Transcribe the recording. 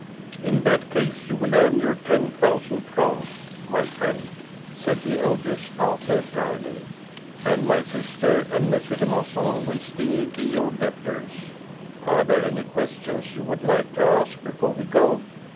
"In that case you will earn your ten thousand francs, my friend," said the odious Arthur drily, "and my sister and M. de Marsan will still be your debtors. Are there any questions you would like to ask before we go?"